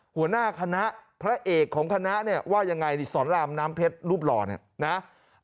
หัวหน้าคณะพระเอกของคณะเนี่ยว่ายังไงนี่สอนรามน้ำเพชรรูปหล่อเนี่ยนะ